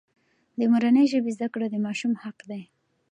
د مورنۍ ژبې زده کړه د ماشوم حق دی.